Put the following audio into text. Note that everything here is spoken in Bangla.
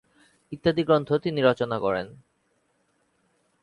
ইত্যাদি গ্রন্থ তিনি রচনা করেন।